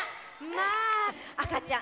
まあ赤ちゃん。